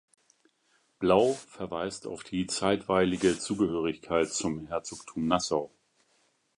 Blau verweist auf die zeitweilige Zugehörigkeit zum Herzogtum Nassau.